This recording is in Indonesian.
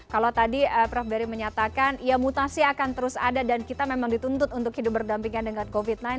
kalau tadi prof berry menyatakan ya mutasi akan terus ada dan kita memang dituntut untuk hidup berdampingan dengan covid sembilan belas